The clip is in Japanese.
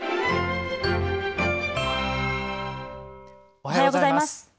おはようございます。